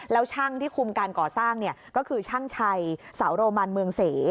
แล้วช่างที่คุมการก่อสร้างก็คือช่างชัยสาวโรมันเมืองเส